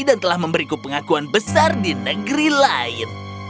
dan telah memberiku pengakuan besar di negeri lain